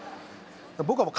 僕はもう。